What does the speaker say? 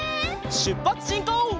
しゅっぱつしんこう！